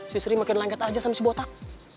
si sri makin lengket aja sama si botak